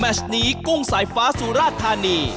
ชนี้กุ้งสายฟ้าสุราชธานี